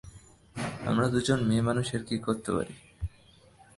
আমরা দুজন মেয়েমানুষ এর কী করতে পারি!